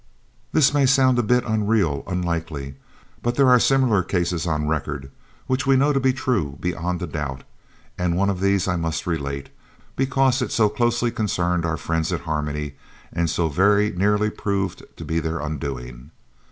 This may sound a bit unreal, unlikely, but there are similar cases on record, which we know to be true beyond a doubt, and one of these I must relate, because it so closely concerned our friends at Harmony and so very nearly proved to be their undoing.